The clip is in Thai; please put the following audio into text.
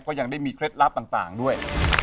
ยังได้มีเคล็ดลับต่างด้วย